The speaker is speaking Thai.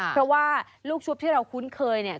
เพราะว่าลูกชุบที่เราคุ้นเคยเนี่ย